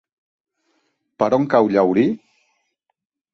Per on cau Llaurí?